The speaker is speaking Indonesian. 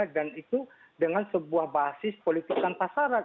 dan itu dengan sebuah basis politikan tak syarat